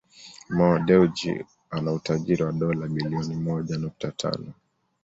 Mo Dewji ana utajiri wa dola bilioni moja nukta tano